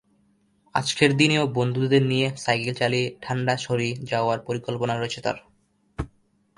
আজকের দিনেও বন্ধুদের নিয়ে সাইকেল চালিয়ে ঠান্ডাছড়ি যাওয়ার পরিকল্পনা রয়েছে তাঁর।